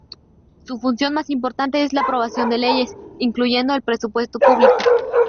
Su función más importante es la aprobación de leyes, incluyendo el presupuesto público.